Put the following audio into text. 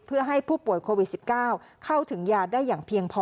เพื่อให้ผู้ป่วยโควิด๑๙เข้าถึงยาได้อย่างเพียงพอ